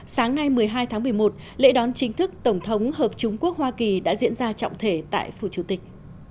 sáng nay một mươi hai tháng một mươi một lễ đón chính thức tổng thống hợp chúng quốc hoa kỳ đã diễn ra trọng thể tại phủ chủ tịch